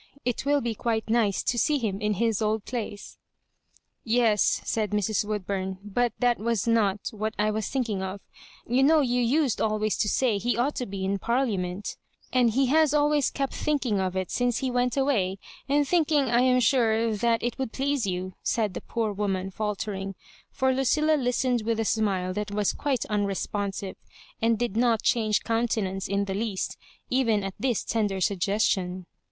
It will be quite nice to see him in his old place." '* Yes," said Mrs. Woodbum ;" but that was not what I was thinking of You know you used always to say he ought to be in Pariiamont; Digitized by VjOOQIC 136 mSS MABJORIBANKS. and he has always kept thinking of it since he went away — and thinking, I am sure, that it would please you/' said the poor woman, falter ing; for Lucilla listened with a smile that was quite unresponsive, and did not change counte nance in the least, even at this tender suggestion.